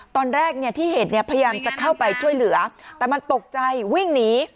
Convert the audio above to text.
ตอนแรกที่เห็นเนี่ยพยายามจะเข้าไปช่วยเหลือแต่มันตกใจวิ่งหนี